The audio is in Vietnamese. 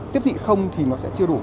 tiếp thị không thì nó sẽ chưa đủ